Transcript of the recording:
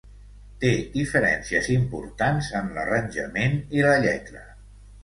Té diferències importants en l'arranjament i la lletra.